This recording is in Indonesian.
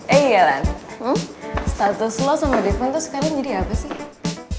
eh yalan status lu sama devon tuh sekarang jadi apa sih